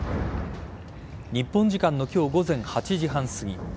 日本時間の今日午前８時半すぎ